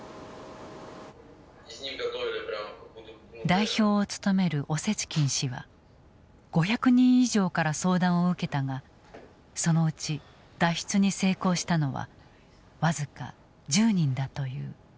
代表を務めるオセチキン氏は５００人以上から相談を受けたがそのうち脱出に成功したのは僅か１０人だという。